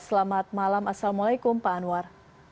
selamat malam assalamualaikum pak anwar